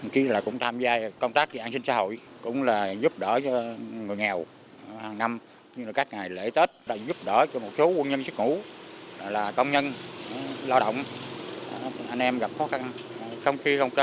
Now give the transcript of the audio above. khi là cũng tham gia công tác dự án sinh xã hội cũng là giúp đỡ cho người nghèo hàng năm các ngày lễ tết giúp đỡ cho một số quân nhân chức ngủ công nhân lao động anh em gặp khó khăn